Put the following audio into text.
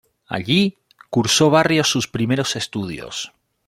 Allí cursó Barrios sus primeros estudios.